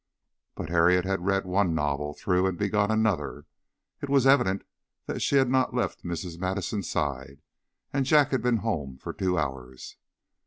But Harriet had read one novel through and begun another. It was evident that she had not left Mrs. Madison's side, and Jack had been home for two hours.